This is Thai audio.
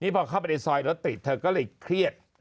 พอเข้าไปในซอยรถติดเธอก็เลยเครียด